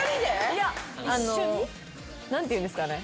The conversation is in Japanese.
いや何ていうんですかね。